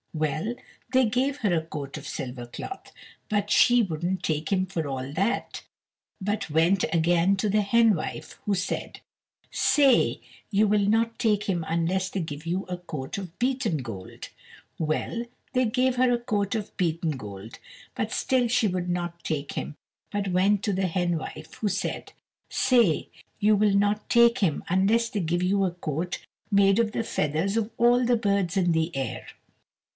Well, they gave her a coat of silver cloth, but she wouldn't take him for all that, but went again to the henwife, who said, "Say you will not take him unless they give you a coat of beaten gold." Well, they gave her a coat of beaten gold, but still she would not take him, but went to the henwife, who said, "Say you will not take him unless they give you a coat made of the feathers of all the birds of the air."